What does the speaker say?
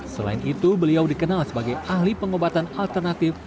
selain itu beliau dikenal sebagai ahli pengobatan alternatif